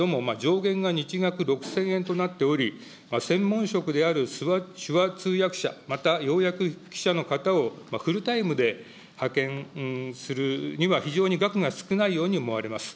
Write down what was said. この助成額ですけれども、上限が日額６０００円となっており、専門職である手話通訳者、また要約筆記者の方をフルタイムで派遣するには非常に額が少ないように思われます。